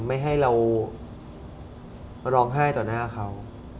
ไม่ให้เราร้องไห้ต่อหน้าเขา